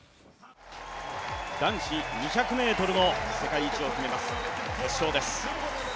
男子２００ｍの世界一を決めます決勝です。